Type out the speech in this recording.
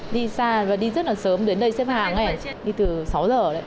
đi xa và đi rất là sớm đến đây xếp hàng đi từ sáu giờ